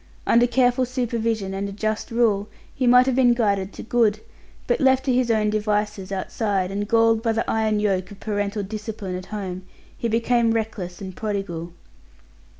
Under careful supervision and a just rule he might have been guided to good; but left to his own devices outside, and galled by the iron yoke of parental discipline at home, he became reckless and prodigal.